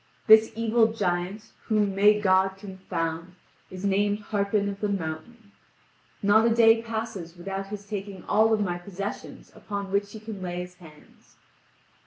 This evil giant, whom may God confound, is named Harpin of the Mountain. Not a day passes without his taking all of my possessions upon which he can lay his hands.